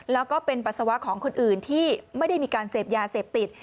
แล้วก็เป็นปัสสาวะของคนอื่นที่ไม่ได้มีการเสพยาเสพติด